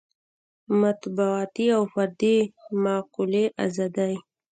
مطبوعاتي او فردي معقولې ازادۍ.